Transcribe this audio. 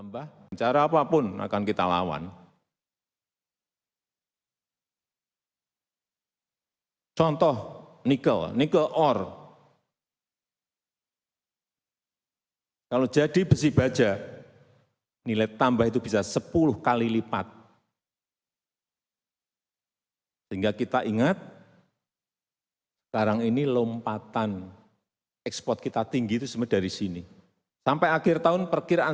pemerintah indonesia ini membawa peng unclean edisi dari keurangan dan karakteristik valentios padak dan melakukan penyerbuan